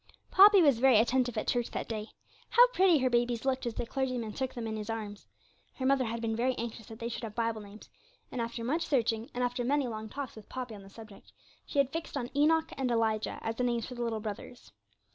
Poppy was very attentive at church that day. How pretty her babies looked as the clergyman took them in his arms! Her mother had been very anxious that they should have Bible names, and after much searching, and after many long talks with Poppy on the subject, she had fixed on Enoch and Elijah as the names for the little brothers.